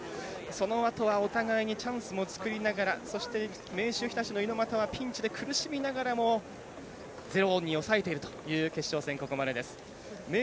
そのあとはお互いにチャンスも作りながらそして、明秀日立の猪俣はピンチで苦しみながらも０に抑えているという決勝戦、ここまでです。